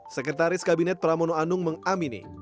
sekretaris kabinet pramono anung mengamini